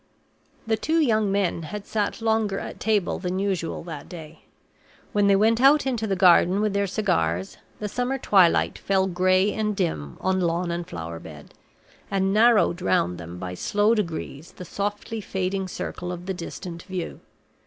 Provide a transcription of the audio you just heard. The two young men had sat longer at table than usual that day. When they went out into the garden with their cigars, the summer twilight fell gray and dim on lawn and flower bed, and narrowed round them by slow degrees the softly fading circle of the distant view.